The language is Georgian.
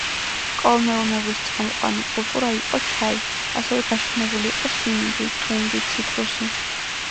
კოლმეურნეობის წამყვანი კულტურა იყო ჩაი, ასევე გაშენებული იყო სიმინდი, ტუნგი, ციტრუსი.